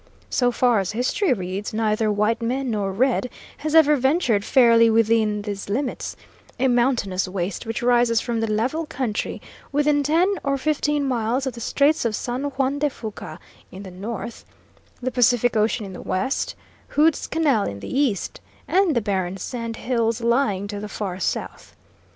So far as history reads, neither white man nor red has ever ventured fairly within these limits; a mountainous waste which rises from the level country, within ten or fifteen miles of the Straits of San Juan de Fuca, in the north, the Pacific Ocean in the west, Hood's Canal in the east, and the barren sand hills lying to the far south.